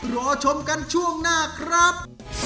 รอชมกันช่วงหน้าครับ